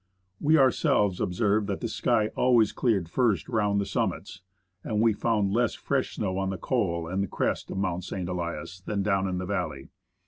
We ourselves observed that the sky always cleared first round the summits, and we found less fresh snow on the col and crest of Mount St. Elias than down in the valley.